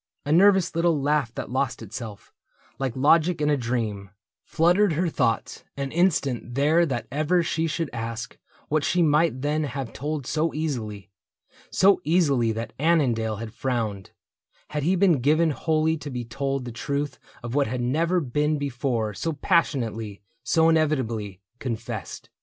A nervous little laugh that lost itself, Like logic in a dream, fluttered her thoughts An instant there that ever she should ask What she might then have told so easily — So easily that Annandale had frowned, Had he been given wholly to be told The truth of what had never been before So passionately, so inevitably Confessed.